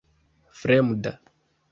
fremda